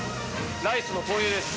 ライスの投入です。